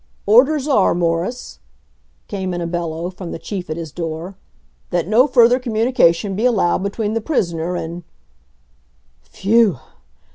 "Orders are, Morris," came in a bellow from the Chief at his door, "that no further communication be allowed between the prisoner and " Phew!